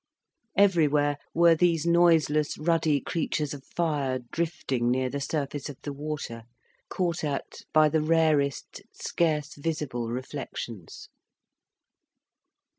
Everywhere were these noiseless ruddy creatures of fire drifting near the surface of the water, caught at by the rarest, scarce visible reflections.